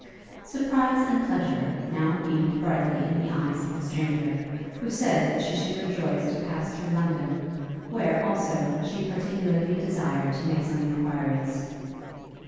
Surprise and pleasure now beamed brightly in the eyes of the stranger, who said that she should rejoice to pass through London, where, also, she particularly desired to make some enquiries.